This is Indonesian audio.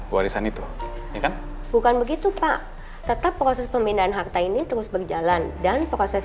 warisan itu bukan begitu pak tetap proses pemindahan harta ini terus berjalan dan proses